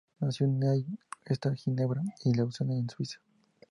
Nació en Nyon, entre Ginebra y Lausanne, en Suiza.